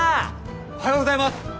おはようございます！